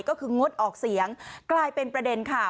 ก็คืองดออกเสียงกลายเป็นประเด็นค่ะ